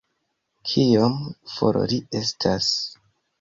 Kiom for li estas